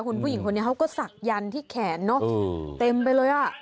คุณผู้หญิงคนนี้เขาก็ศักดันที่แขนเนอะเต็มไปเลยอ่ะ